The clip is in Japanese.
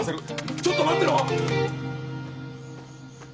ちょっと待ってろ！